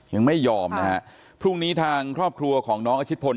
ยังไม่ยอมนะฮะพรุ่งนี้ทางครอบครัวของน้องอาชิตพล